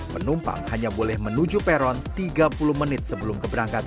penumpang hanya boleh menuju peron tiga puluh menit sebelum keberangkatan